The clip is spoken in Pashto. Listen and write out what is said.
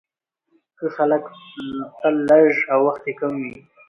ښه خلک تل لږ او وخت يې کم وي،